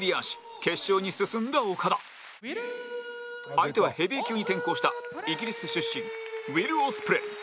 相手はヘビー級に転向したイギリス出身ウィル・オスプレイ